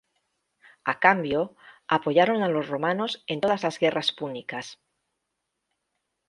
A cambio, apoyaron a los romanos en todas las guerras púnicas.